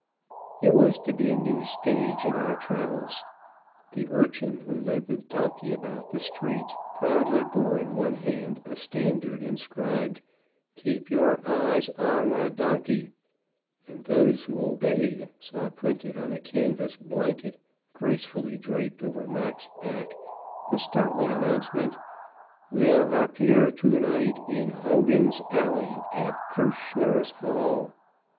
It was to be a new stage in our travels. The urchin who led the donkey about the streets proudly bore in one hand a standard inscribed: "KEEP YOUR EYES ON THE DONKEY;" and those who obeyed saw printed on a canvas blanket gracefully draped over Mac's back the startling announcement: "WILL APPEAR TO NIGHT IN HOGAN'S ALLEY, AT KIRCHNER'S HALL."